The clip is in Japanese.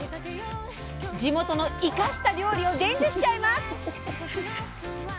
地元の「イカ」した料理を伝授しちゃいます。